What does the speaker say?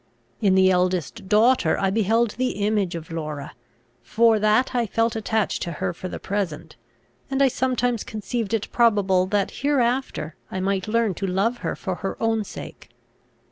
In the eldest daughter I beheld the image of Laura; for that I felt attached to her for the present; and I sometimes conceived it probable that hereafter I might learn to love her for her own sake.